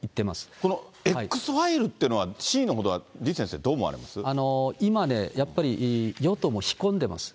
このＸファイルっていうのは、真意のほどは李先生、今ね、やっぱり与党も引っ込んでます。